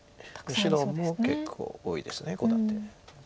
白も結構多いですコウ立て。